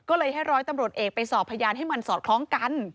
ก็เลยให้ร้อยตำรวจเอกไปสอบพยานให้มันสอดคล้องกัน